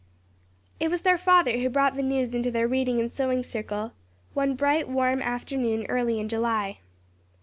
It was their father who brought the news into their reading and sewing circle, one bright warm afternoon early in July.